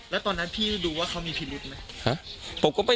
แล้วตอนนั้นพี่ดูว่าเขามีพิรุธไหม